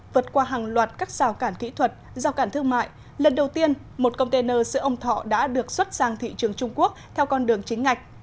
vượt qua hàng loạt các rào cản kỹ thuật rào cản thương mại lần đầu tiên một container sữa ống thọ đã được xuất sang thị trường trung quốc theo con đường chính ngạch